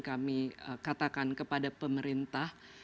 kami katakan kepada pemerintah